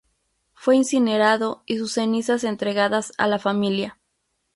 Fue incinerado y sus cenizas entregadas a la familia.